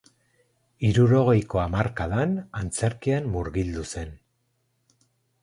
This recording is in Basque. Hirurogeiko hamarkadan antzerkian murgildu zen.